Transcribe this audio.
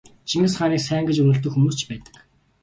Чингис хааныг сайн гэж үнэлдэг хүмүүс ч байдаг.